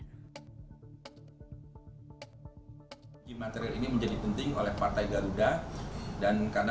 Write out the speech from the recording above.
dicalonkan oleh partai garuda ahmad rida sabana